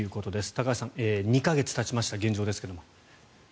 高橋さん２か月がたちました現状ですが。